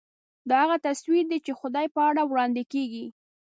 دا هغه تصویر دی چې خدای په اړه وړاندې کېږي.